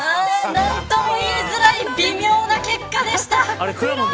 何とも言いづらい微妙な結果でした。